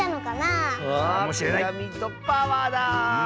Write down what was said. あピラミッドパワーだ！